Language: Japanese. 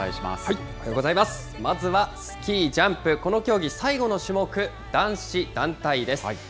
まずはスキージャンプ、この競技最後の種目、男子団体です。